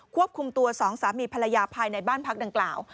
ควบคุมตัวสองสามีภรรยาภายในบ้านพักดังกล่าว